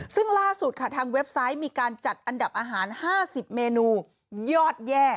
ซึ่งล่าสุดค่ะทางเว็บไซต์มีการจัดอันดับอาหาร๕๐เมนูยอดแย่